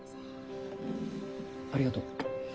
ありがとう。